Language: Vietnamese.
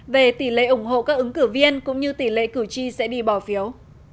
về tỷ lệ ủng hộ các ứng cử viên cũng như tỷ lệ cử tri sẽ đi bỏ phiếu